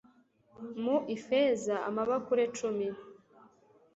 mu ifeza amabakure cumi